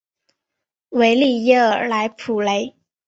维利耶尔莱普雷。